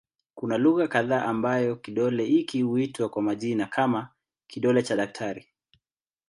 Kuna lugha kadha ambako kidole hiki huitwa kwa majina kama "kidole cha daktari".